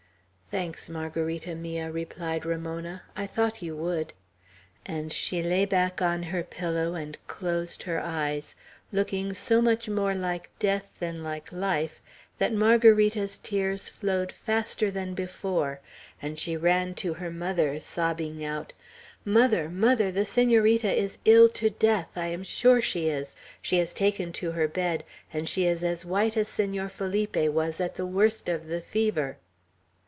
"Thanks, Margarita mia," replied Ramona. "I thought you would;" and she lay back on her pillow, and closed her eyes, looking so much more like death than like life that Margarita's tears flowed faster than before, and she ran to her mother, sobbing out, "Mother, mother! the Senorita is ill to death. I am sure she is. She has taken to her bed; and she is as white as Senor Felipe was at the worst of the fever."